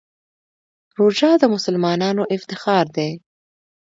روژه د مسلمانانو افتخار دی.